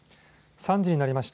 ３時になりました。